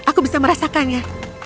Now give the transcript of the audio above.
aku bisa merasakannya